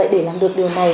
để làm được điều này